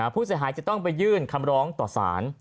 ผู้เสียหายจะต้องไปยื่นคำร้องต่อสาร